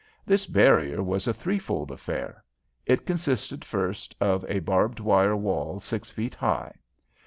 This barrier was a threefold affair. It consisted first of a barbed wire wall six feet high.